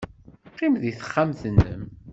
Qqim deg texxamt-nnem.